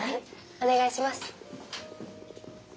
お願いします。